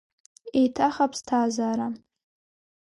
Еиҭах аԥсҭазаара!